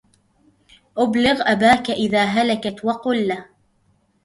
أبلغ أباك إذا هلكت وقل له